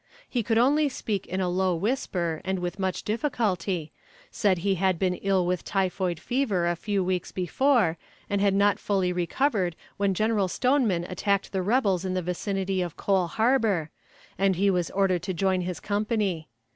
He could only speak in a low whisper, and with much difficulty, said he had been ill with typhoid fever a few weeks before, and had not fully recovered when General Stoneman attacked the rebels in the vicinity of Coal Harbor, and he was ordered to join his company.